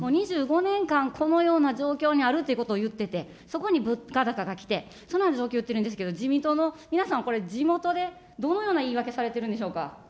２５年間、このような状況にあるということを言ってて、そこに物価高が来て、その状況を言ってるんですけど、自民党の皆さん、地元でどのような言い訳されてるんでしょうか。